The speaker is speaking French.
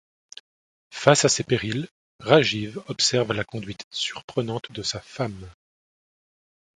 Face à ses périls, Rajiv observe la conduite surprenante de sa femme.